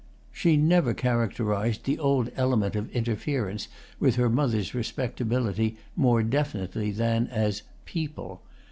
She never characterised the old element of interference with her mother's respectability more definitely than as "people."